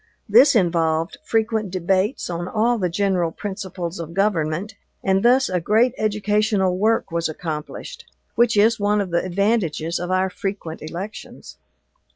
This involved frequent debates on all the general principles of government, and thus a great educational work was accomplished, which is one of the advantages of our frequent elections.